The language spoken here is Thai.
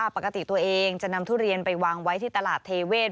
ปกติตัวเองจะนำทุเรียนไปวางไว้ที่ตลาดเทเวศ